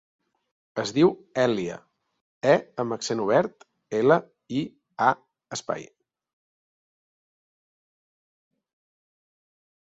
Es diu Èlia : e amb accent obert, ela, i, a, espai.